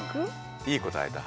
いい答えだ。